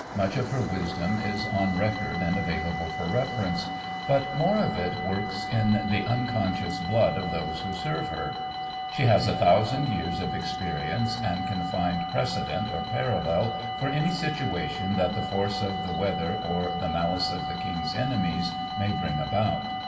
Much of her wisdom is on record and available for reference; but more of it works in the unconscious blood of those who serve her. She has a thousand years of experience, and can find prece dent or parallel for any situation that the force of the weather or the malice of the King's enemies may bring about.